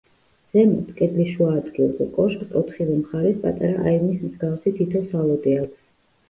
ზემოთ, კედლის შუა ადგილზე, კოშკს ოთხივე მხარეს პატარა აივნის მსგავსი თითო სალოდე აქვს.